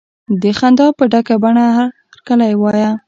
د خندا په ډکه بڼه هرکلی وایه.